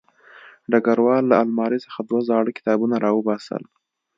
ډګروال له المارۍ څخه دوه زاړه کتابونه راوباسل